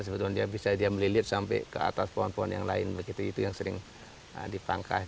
sebetulnya bisa dia melilit sampai ke atas pohon pohon yang lain begitu itu yang sering dipangkas